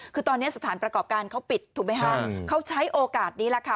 คือตอนนี้สถานประกอบการเขาปิดถูกไหมคะเขาใช้โอกาสนี้แหละค่ะ